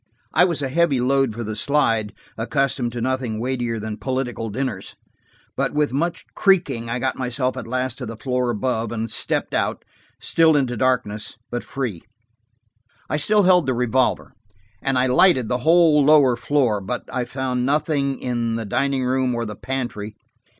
I was a heavy load for the slide, accustomed to nothing weightier than political dinners, but with much creaking I got myself at last to the floor above, and stepped out, still into darkness, but free. I still held the revolver, and I lighted the whole lower floor. But I found nothing in the dining room or the pantry.